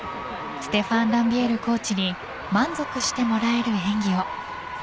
ステファン・ランビエールコーチに満足してもらえる演技を。